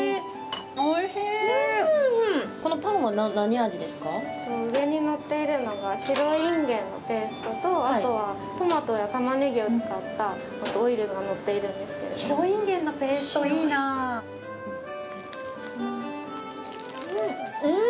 え上にのっているのが白インゲンのペーストとあとはトマトや玉ねぎを使ったオイルがのっているんですけれど白インゲンのペーストいいなあうん！